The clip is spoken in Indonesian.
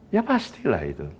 ya pastilah itu